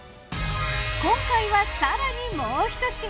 今回は更にもうひと品。